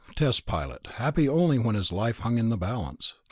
Test pilot happy only when his life hung in the balance.